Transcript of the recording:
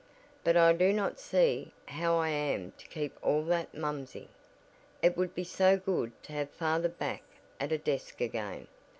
But I do not see how I am to keep all that momsey. It would be so good to have father back at a desk again.